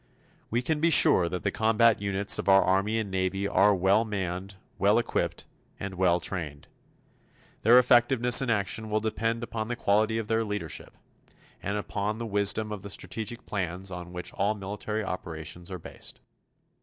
We can be sure that the combat units of our Army and Navy are well manned, well equipped, and well trained. Their effectiveness in action will depend upon the quality of their leadership, and upon the wisdom of the strategic plans on which all military operations are based.